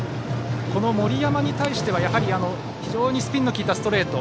この森山に対しては非常にスピンが効いたストレート